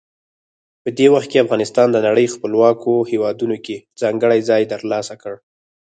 په دې وخت کې افغانستان د نړۍ خپلواکو هیوادونو کې ځانګړی ځای ترلاسه کړ.